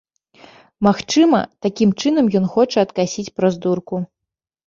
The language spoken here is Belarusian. Магчыма, такім чынам ён хоча адкасіць праз дурку.